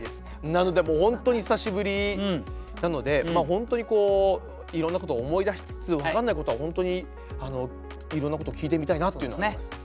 なのでもう本当に久しぶりなので本当にいろんなことを思い出しつつ分かんないことは本当にいろんなこと聞いてみたいなっていうのはあります。